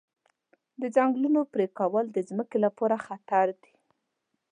د ځنګلونو پرېکول د ځمکې لپاره خطر دی.